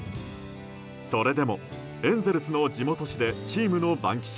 それでもエンゼルスの地元紙でチームの番記者